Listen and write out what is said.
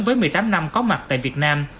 với một mươi tám năm có mặt tại việt nam